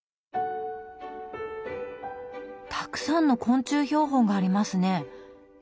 たくさんの昆虫標本がありますね。